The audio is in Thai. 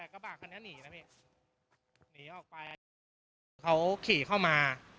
เขาขี่เข้ามา